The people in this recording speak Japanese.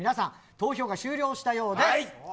投票が終了したようです。